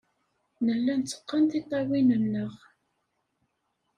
Nella netteqqen tiṭṭawin-nneɣ.